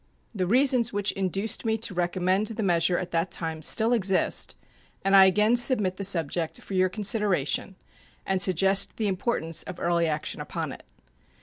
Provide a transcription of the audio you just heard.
The reasons which induced me to recommend the measure at that time still exist, and I again submit the subject for your consideration and suggest the importance of early action upon it.